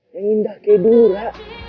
yang indah kayak dulu ra